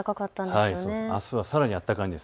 あすはさらに暖かいです。